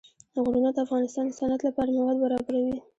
غرونه د افغانستان د صنعت لپاره مواد برابروي.